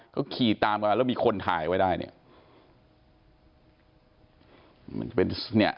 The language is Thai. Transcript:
เขาขี่ตามกันแล้วมีคนถ่ายไว้ได้